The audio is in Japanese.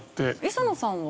磯野さんは？